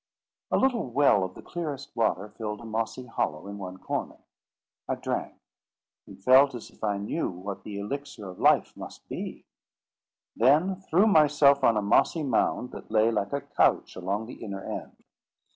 A little well of the clearest water filled a mossy hollow in one corner. I drank, and felt as if I knew what the elixir of life must be; then threw myself on a mossy mound that lay like a couch along the inner end.